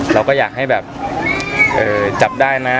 เราก็อยากให้แบบจับได้นะ